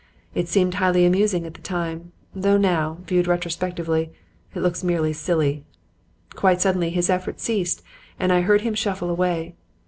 It seemed highly amusing at the time, though now, viewed retrospectively, it looks merely silly. "Quite suddenly his efforts ceased and I heard him shuffle away.